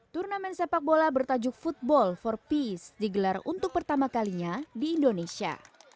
turnamen sepak bola bertajuk football for peace digelar untuk pertama kalinya di indonesia